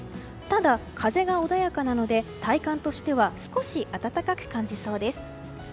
ただ、風が穏やかなので体感としては少し暖かく感じそうです。